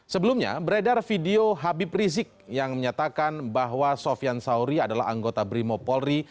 sebelumnya beredar video habib rizik yang menyatakan bahwa sofian sauri adalah anggota brimo polri